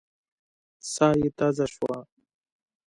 ساه يې تازه شوه.